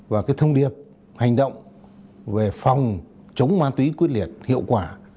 và cái thông điệp hành động về phòng chống ma túy quyết liệt hiệu quả